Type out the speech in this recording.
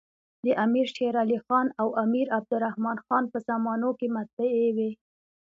د امیر شېرعلي خان او امیر عبدالر حمن په زمانو کي مطبعې وې.